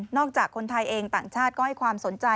จากคนไทยเองต่างชาติก็ให้ความสนใจ